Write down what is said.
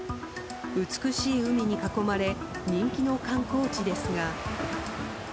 美しい海に囲まれ人気の観光地ですが。